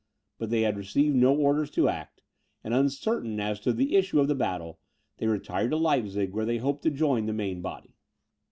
But they had received no orders to act; and, uncertain as to the issue of the battle, they retired to Leipzig, where they hoped to join the main body.